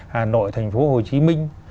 hà nội thành phố hồ chí minh